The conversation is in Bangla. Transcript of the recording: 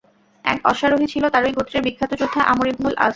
এক অশ্বারোহী ছিল তারই গোত্রের বিখ্যাত যোদ্ধা আমর ইবনুল আস।